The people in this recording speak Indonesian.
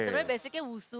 sebenernya basicnya wusu